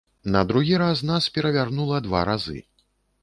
На другі раз нас перавярнула два разы.